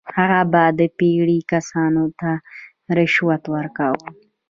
هغه به د پیرې کسانو ته رشوت ورکاوه.